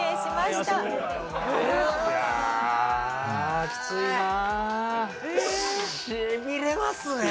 しびれますね。